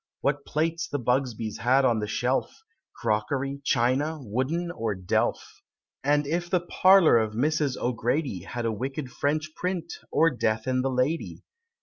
What plates the Bugsbys had on the shelf, Crockery, china, wooden, or delf? And if the parlor of Mrs. O'Grady Had a wicked French print, or Death and the Lady?